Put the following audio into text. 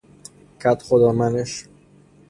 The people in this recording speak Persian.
کدخدا منش